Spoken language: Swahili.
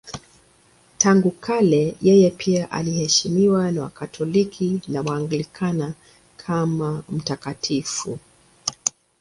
Tangu kale yeye pia anaheshimiwa na Wakatoliki na Waanglikana kama mtakatifu.